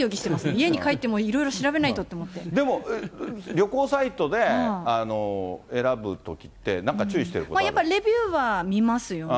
家に帰ってもいろいろ調べないとでも、旅行サイトで選ぶときって、やっぱりレビューは見ますよね。